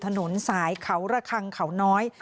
ถนนสายเขาระคังเขาน้อย